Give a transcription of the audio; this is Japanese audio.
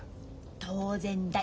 当然だい。